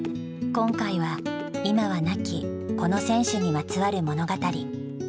今回は今は亡きこの選手にまつわる物語。